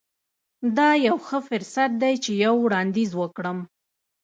دا یو ښه فرصت دی چې یو وړاندیز وکړم